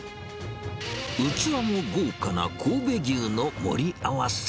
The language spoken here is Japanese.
器も豪華な神戸牛の盛り合わせ。